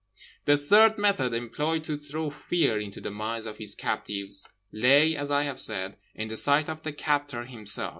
The third method employed to throw Fear into the minds of his captives lay, as I have said, in the sight of the Captor Himself.